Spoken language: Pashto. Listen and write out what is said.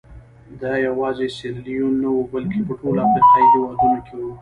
دا یوازې سیریلیون نه وو بلکې په ټولو افریقایي هېوادونو کې وو.